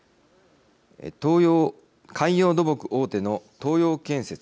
海洋土木大手の東洋建設。